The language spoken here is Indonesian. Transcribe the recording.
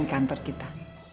di kantor kita